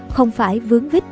không phải vướng vích